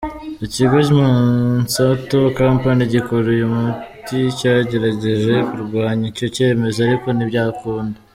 Ikigo Monsato Company gikora uyu muti cyagerageje kurwanya iki cyemezo ariko ntibyakunda.